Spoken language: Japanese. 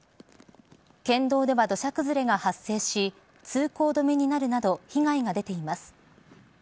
県道では土砂崩れが発生し通行止めになるなど被害が出ています。